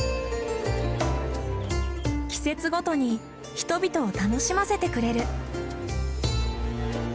季節ごとに人々を楽しませてくれる。